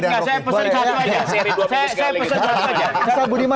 saya pesan satu aja